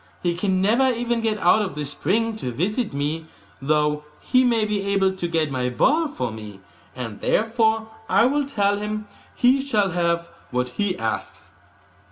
He can never even get out of the spring to visit me, though he may be able to get my ball for me, and therefore I will tell him he shall have what he asks.